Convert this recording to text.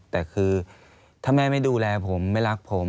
แต่คือถ้าแม่ไม่ดูแลผมไม่รักผม